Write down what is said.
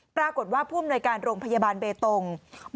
ผู้อำนวยการโรงพยาบาลเบตง